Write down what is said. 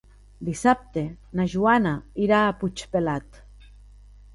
Dissabte na Joana irà a Puigpelat.